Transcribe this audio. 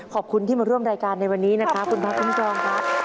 ขอบคุณที่มาร่วมรายการในวันนี้นะคะคุณพระคุณจองครับขอบคุณค่ะ